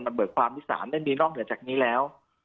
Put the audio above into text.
มันเบิร์กความวิสามแม่นี้นอกเหลือจากนี้แล้ว